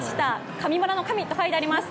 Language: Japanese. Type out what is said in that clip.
上村の「上」って書いてあります。